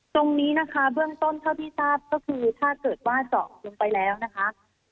ตรงนี้นะคะเบื้องต้นเท่าที่ทราบก็คือถ้าเกิดว่าเจาะลงไปแล้วนะคะ